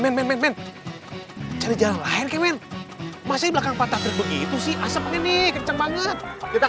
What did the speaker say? main main jangan lain nya masnya belakang pantat bikin tuh sih asuh ini kenceng banget kita